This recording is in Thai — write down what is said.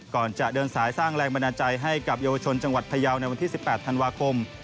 ก่อนจะเดินสายสร้างแรงบันดาลใจให้กับเยาวชนจังหวัดพยาวในวันที่๑๘ธันวาคม